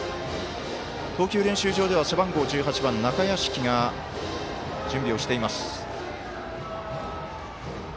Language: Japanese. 投球練習場では背番号１８番、中屋敷が準備をしています。